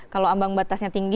kalau ambang batasnya tinggi